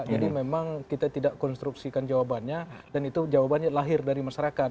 jadi memang kita tidak konstruksikan jawabannya dan itu jawabannya lahir dari masyarakat